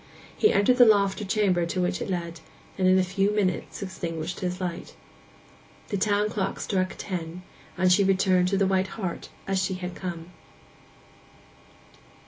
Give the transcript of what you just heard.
He entered the loft or chamber to which it led, and in a few minutes extinguished his light. The town clock struck ten, and she returned to the White Hart as she had come.